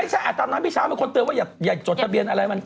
ตอนนั้นพี่เช้าเป็นคนเตือนว่าอย่าจดทะเบียนอะไรมัน